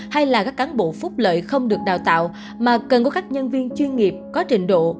hay là các cán bộ phúc lợi không được đào tạo mà cần có các nhân viên chuyên nghiệp có trình độ